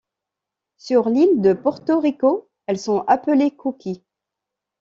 Sur l'île de Porto Rico, elles sont appelées coquí.